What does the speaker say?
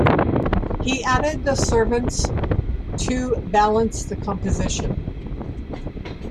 He added the servants to balance the composition.